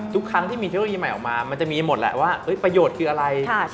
ทุกครั้งที่มีเทคโนโลยีใหม่ออกมามันจะมีหมดแหละว่าประโยชน์คืออะไร